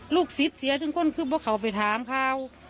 ลูกศิษย์เสียถึงคนคือเพราะเขาไปถามเขา